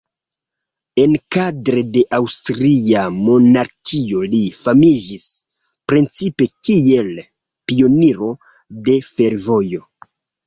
Enkadre de aŭstria monarkio li famiĝis precipe kiel pioniro de fervojo.